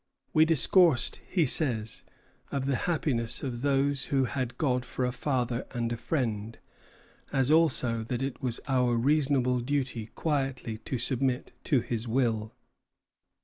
"We discoursed," he says, "of the happiness of those who had God for a father and friend, as also that it was our reasonable duty quietly to submit to his will."